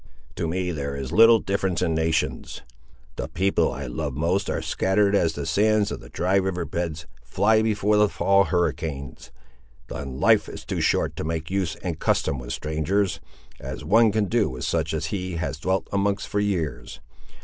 "To me there is little difference in nations. The people I loved most are scattered as the sands of the dry river beds fly before the fall hurricanes, and life is too short to make use and custom with strangers, as one can do with such as he has dwelt amongst for years.